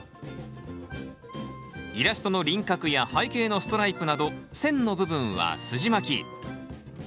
イラストの輪郭や背景のストライプなど線の部分はすじまき。